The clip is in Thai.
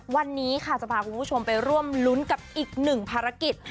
วันนี้ค่ะจะพาคุณผู้ชมไปร่วมรุ้นกับอีกหนึ่งภารกิจ